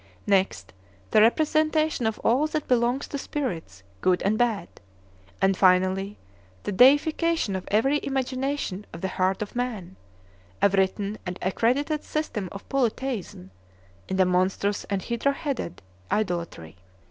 Next, the representation of all that belongs to spirits, good and bad. And finally, the deification of every imagination of the heart of man, a written and accredited system of polytheism, and a monstrous and hydra headed idolatry."